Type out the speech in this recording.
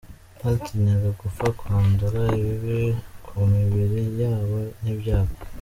Batinyaga gupfa, kwandura ibibi ku mibiri yabo n’ibyago.